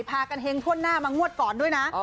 พากันเฮงถ้วนหน้ามางวดก่อนด้วยนะ